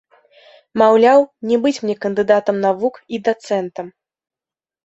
Маўляў, не быць мне кандыдатам навук і дацэнтам.